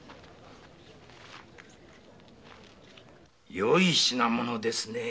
よい品物ですね。